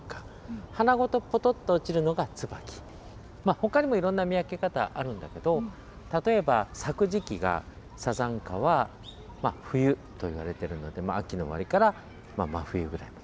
ほかにもいろんな見分け方あるんだけど例えば、咲く時期がサザンカは冬といわれている秋の終わりから真冬ぐらい。